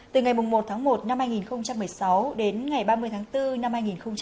từ ngày một tháng một năm hai nghìn một mươi sáu đến ngày ba mươi tháng bốn năm hai nghìn hai mươi